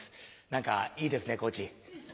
何かいいですね高知。